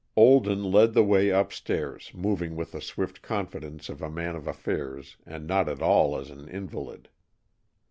Olden led the way upstairs, moving with the swift confidence of a man of affairs and not at all as an invalid.